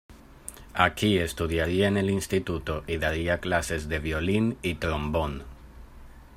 Aquí estudiaría en el instituto y daría clases de violín y trombón.